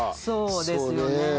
そうですよね。